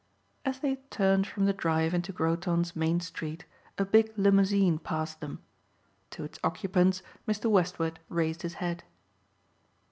As they turned from the drive into Groton's main street a big limousine passed them. To its occupants Mr. Westward raised his hat.